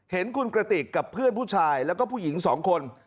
เห็นคุณกระติกกับเพื่อนผู้ชายแล้วก็ผู้หญิงสองคน